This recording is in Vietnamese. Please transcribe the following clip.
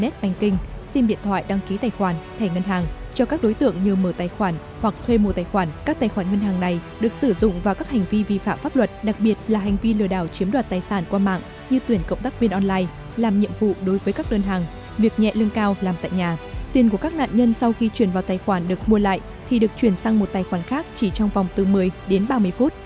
tiền của các nạn nhân sau khi chuyển vào tài khoản được mua lại thì được chuyển sang một tài khoản khác chỉ trong vòng bốn mươi đến ba mươi phút